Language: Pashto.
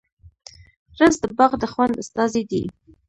رس د باغ د خوند استازی دی